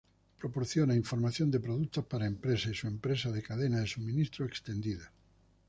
Proporciona información de productos para empresas y su empresa de cadena de suministro extendida.